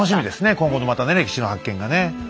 今後のまたね歴史の発見がね。